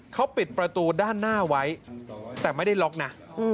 เขาปิดประตูด้านหน้าไว้แต่ไม่ได้ล็อกนะ